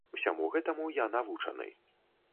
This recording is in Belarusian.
Усяму гэтаму я навучаны.